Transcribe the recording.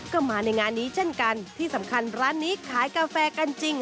ก็มาในงานนี้เช่นกันที่สำคัญร้านนี้ขายกาแฟกันจริง